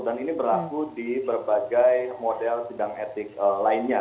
dan ini berlaku di berbagai model sidang etik lainnya